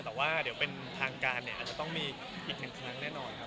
แต่ว่าเดี๋ยวเป็นทางการเนี่ยอาจจะต้องมีอีกหนึ่งครั้งแน่นอนครับ